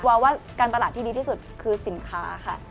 วาวว่าการตลาดที่ดีที่สุดคือสินค้าค่ะ